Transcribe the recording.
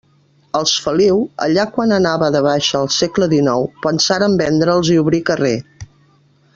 Els Feliu, allà quan anava de baixa el segle dinou, pensaren vendre'ls i obrir carrer.